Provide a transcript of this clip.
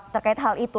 terkait hal itu